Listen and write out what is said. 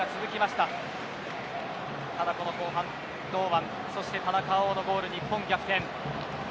ただ、この後半堂安、そして田中碧のゴール、日本逆転。